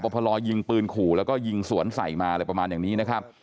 พลอยิงปืนขู่แล้วก็ยิงสวนใส่มาอะไรประมาณอย่างนี้นะครับ